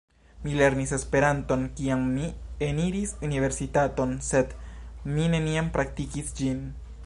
Mi lernis Esperanton kiam mi eniris universitaton, sed mi neniam praktikis ĝin.